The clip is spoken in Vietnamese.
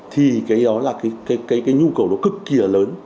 thì cái đó là cái nhu cầu đó cực kì là lớn